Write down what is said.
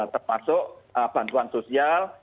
termasuk bantuan sosial